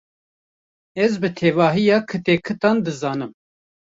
Ez bi tevahiya kitekitan dizanim.